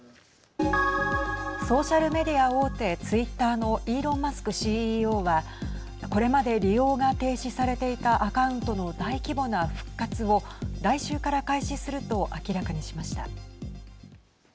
ソーシャルメディア大手ツイッターのイーロン・マスクＣＥＯはこれまで利用が停止されていたアカウントの大規模な復活を来週から開始すると明らかにしました。